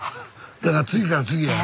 だから次から次へ？